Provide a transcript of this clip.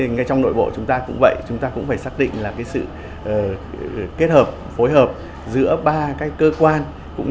ngay trong nội bộ chúng ta cũng vậy chúng ta cũng phải xác định là sự kết hợp phối hợp giữa ba cơ quan